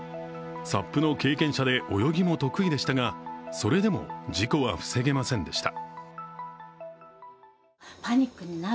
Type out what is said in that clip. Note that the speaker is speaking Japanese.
ＳＵＰの経験者で泳ぎも得意でしたがそれでも事故は防げませんでした。